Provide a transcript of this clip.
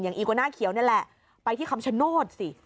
อีกวาหน้าเขียวนี่แหละไปที่คำชโนธสิ